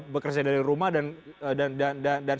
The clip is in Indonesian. bekerja dari rumah dan